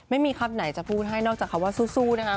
ไม่มีคำไหนจะพูดให้นอกจากคำว่าสู้นะคะ